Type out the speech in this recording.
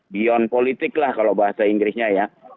beyond politik lah kalau bahasa inggrisnya ya